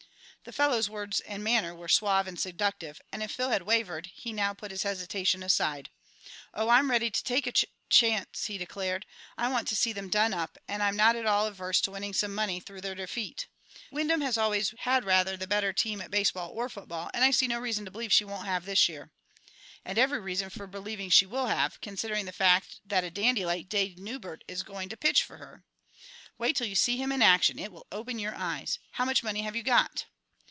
The fellow's words and manner were suave and seductive, and, if Phil had wavered, he now put his hesitation aside. "Oh, I'm ready to take a ch chance," he declared. "I want to see them done up, and I'm not at all averse to winning some money through their defeat. Wyndham has always had rather the better team at baseball or football, and I see no reason to believe she won't have this year." "And every reason for believing she will have, considering the fact that a dandy like Dade Newbert is going to pitch for her. Wait till you see him in action; it will open your eyes. How much money have you got?"